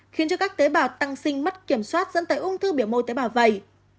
khiến cho các tế bảo tăng sinh mất kiểm soát dẫn tới ung thư biểu mô tế bảo vẩy